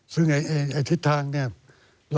ซึ่งไอ้ทิศทางเนี่ย